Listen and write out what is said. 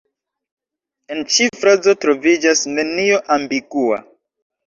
En ĉi frazo troviĝas nenio ambigua.